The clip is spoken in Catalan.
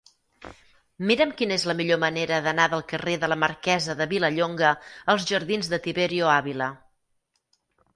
Mira'm quina és la millor manera d'anar del carrer de la Marquesa de Vilallonga als jardins de Tiberio Ávila.